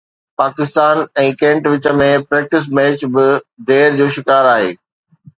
Pakistan ۽ Kent وچ ۾ practice match به دير جو شڪار آهي